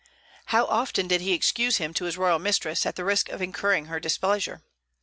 How often did he excuse him to his royal mistress, at the risk of incurring her displeasure?